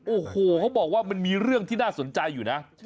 โอ้โหเขาบอกว่ามันมีเรื่องที่น่าสนใจอยู่นะ